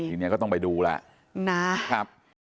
ที่นี่ก็ต้องไปดูแล้ว